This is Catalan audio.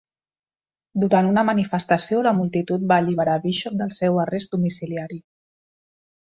Durant una manifestació, la multitud va alliberar Bishop del seu arrest domiciliari.